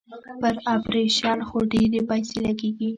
پر اپرېشن خو ډېرې پيسې لگېږي.